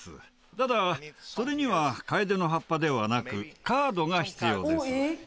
ただそれにはカエデの葉っぱではなくカードが必要です。